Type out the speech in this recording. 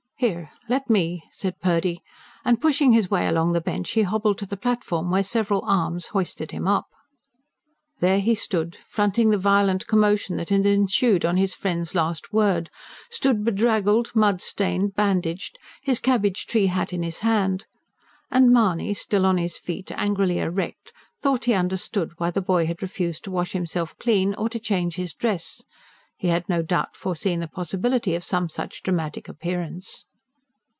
"Here, let me," said Purdy. And pushing his way along the bench he hobbled to the platform, where several arms hoisted him up. There he stood, fronting the violent commotion that had ensued on his friend's last words; stood bedraggled, mud stained, bandaged, his cabbage tree hat in his hand. And Mahony, still on his feet, angrily erect, thought he understood why the boy had refused to wash himself clean, or to change his dress: he had no doubt foreseen the possibility of some such dramatic appearance.